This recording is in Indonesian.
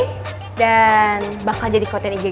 kemudian bakal jadi captain ig gue